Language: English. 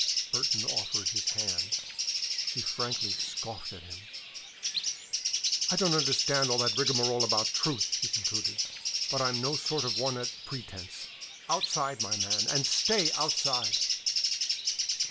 Burton offered his hand. She frankly scoffed at him. "I don't understand all that rigmarole about truth," she concluded, "but I'm no sort of a one at pretense. Outside, my man, and stay outside!"